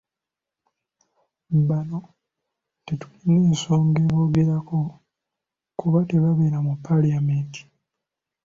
Bano tetulina nsonga ebongerako kuba tebabeera mu Paalamenti.